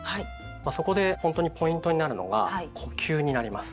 そこでほんとにポイントになるのが呼吸になります。